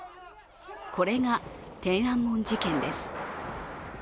これが天安門事件です。